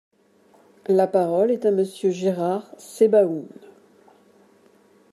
La parole est à Monsieur Gérard Sebaoun.